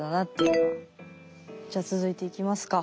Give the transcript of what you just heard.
じゃあ続いていきますか。